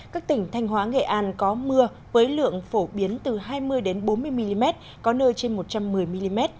các tỉnh thanh hóa nghệ an có mưa với lượng phổ biến từ hai mươi bốn mươi mm có nơi trên một trăm một mươi mm